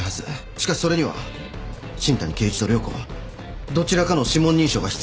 しかしそれには新谷啓一と涼子どちらかの指紋認証が必要。